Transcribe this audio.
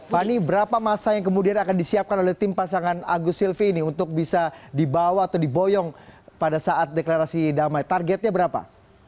fani berapa masa yang kemudian akan disiapkan oleh tim pasangan agus silvi ini untuk bisa dibawa atau diboyong pada saat deklarasi damai targetnya berapa